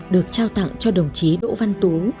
được trao tặng cho đồng chí đỗ văn tú